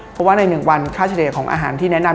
เพราะว่าใน๑วันค่าเฉลี่ยของอาหารที่แนะนำ